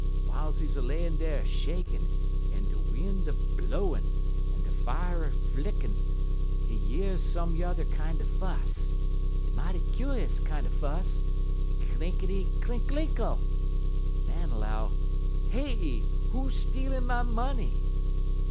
W'iles he layin' dar shakin', en de win' a blowin', en de fier flickin', he year someyuther kind er fuss. Hit mighty kuse kind er fuss. Clinkity, clinkalinkle! Man 'low: "'Hey! who stealin' my money?'